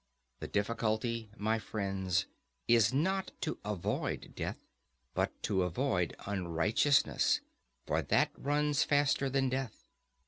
The difficulty, my friends, is not to avoid death, but to avoid unrighteousness; for that runs faster than death.